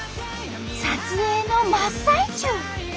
撮影の真っ最中！